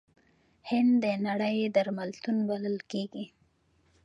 هند د نړۍ درملتون بلل کیږي.